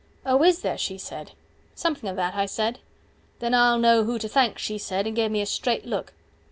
Oh is there, she said. Something o' that, I said. 150 Then I'll know who to thank, she said, and give me a straight look.